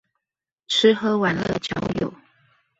吃喝玩樂交友